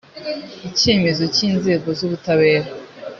icyemezo cy inzego z ubutabera